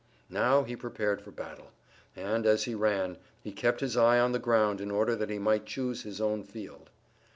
Now he prepared for battle, and, as he ran, he kept his eye on the ground in order that he might choose his own field.